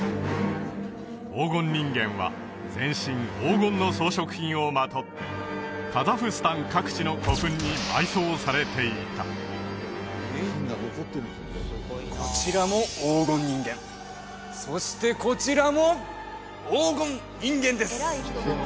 黄金人間は全身黄金の装飾品をまとってカザフスタン各地の古墳に埋葬されていたこちらも黄金人間そしてこちらも黄金人間です